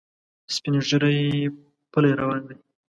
سپین ږیری پلی روان دی.